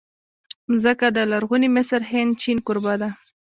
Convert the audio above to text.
مځکه د لرغوني مصر، هند، چین کوربه ده.